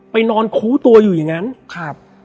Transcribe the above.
ไปนอนคูตัวอยู่อย่างนั้น